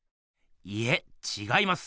いえちがいます。